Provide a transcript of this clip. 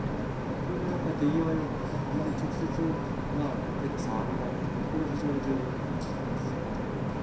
それからやっぱり手際よくあんまり直接長く手で触らないっていうことこれ非常に重要だと思います。